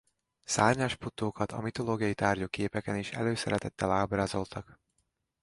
Szárnyas puttókat a mitológiai tárgyú képeken is előszeretettel ábrázoltak.